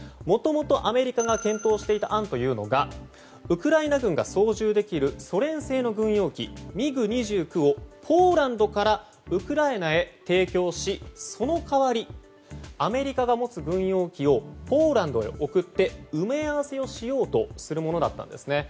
もともとアメリカが検討していた案というのがウクライナ軍が操縦できるソ連製の軍用機ＭｉＧ２９をポーランドからウクライナへ提供しその代わりアメリカが持つ軍用機をポーランドへ送って埋め合わせをしようというものだったんです。